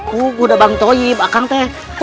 aku sudah bangtoyim aku